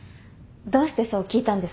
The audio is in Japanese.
どうしてそう聞いたんです？